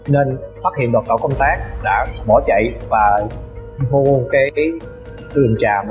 nên phát hiện tổ công tác đã bỏ chạy và mua cái tư lệnh tràm